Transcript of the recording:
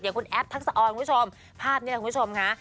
คุณแอฟทักษะออนคุณผู้ชมภาพนี้แหละคุณผู้ชมค่ะ